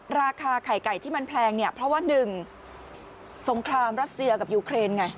ราคาไข่ไก่ที่มันแพงเนี่ยเพราะว่า๑สงครามรัสเซียกับยูเครนไง